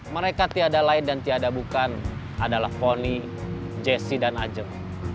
mereka tiada lain dan tiada bukan adalah foni jesse dan ajeng